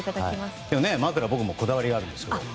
枕に僕もこだわりあるんです。